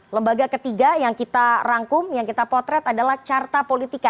lembaga ketiga yang kita rangkum yang kita potret adalah carta politika